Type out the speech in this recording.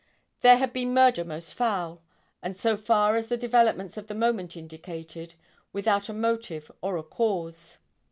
There had been murder most foul, and so far as the developments of the moment indicated, without a motive or a cause.